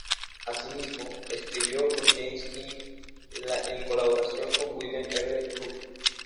Asimismo, escribió como James Keene en colaboración con William Everett Cook.